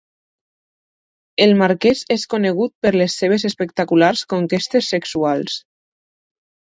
El Marquès és conegut per les seves espectaculars conquestes sexuals.